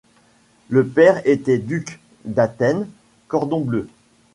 Le père était duc, d'Athène, Cordon bleu.